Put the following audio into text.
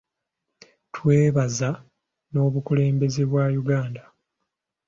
Twebaza n’Obukulembeze bwa Uganda.